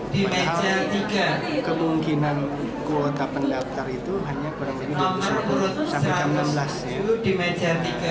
padahal kemungkinan kuota pendaftar itu hanya kurang lebih dari dua puluh satu sampai enam belas ya